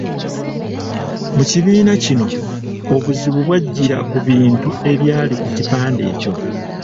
Mu kibiina kino obuzibu bw’ajjira ku bintu ebyali ku kipande ekyo.